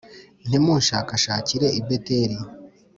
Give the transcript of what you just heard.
ntimunshakashakire i Beteli,